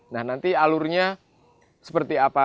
nah nanti alurnya seperti apa